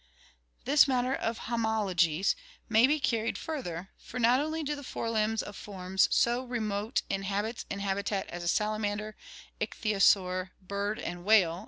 This matter of homologies may be carried further, for not only do the fore limbs of forms so remote in habits and habitat as a HEREDITY 153 salamander, ichthyosaur, bird, and whale (see Fig.